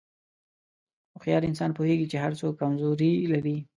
هوښیار انسان پوهېږي چې هر څوک کمزوري لري.